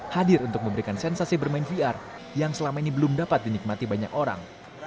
hadir untuk memberikan sensasi bermain vr yang selama ini belum dapat dinikmati banyak orang